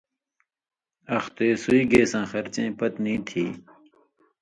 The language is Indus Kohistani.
اخ تے سُوئ گیساں خرچَیں پتہۡ تھی یی؟